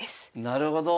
なるほど。